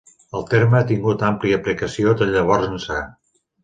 El terme ha tingut àmplia aplicació de llavors ençà.